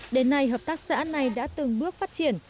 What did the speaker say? đến nay hợp tác xã này đã từng bước phát triển